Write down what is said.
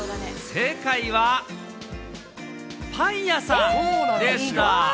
正解は、パン屋さんでした。